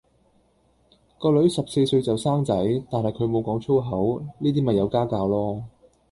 個女十四歲就生仔，但係佢無講粗口，呢啲咪有家教囉